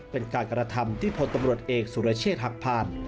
เป็นการกระทำที่พลตำรวจเอกสุรเชษฐ์หักผ่าน